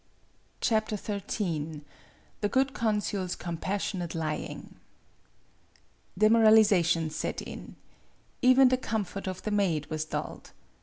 XIII THE GOOD CONSUL'S COMPASSIONATE LYING DEMORALIZATION set in. Even the comfort of the maid was dulled.